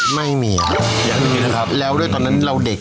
ไม่มีนะครับแล้วด้วยตอนนั้นเราเด็ก